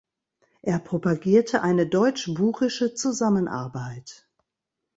Er propagierte eine deutsch-burische Zusammenarbeit.